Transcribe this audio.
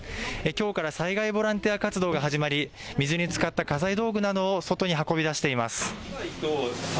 きょうから災害ボランティア活動が始まり水につかった家財道具などを外に運び出しています。